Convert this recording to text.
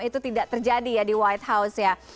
itu tidak terjadi ya di white house ya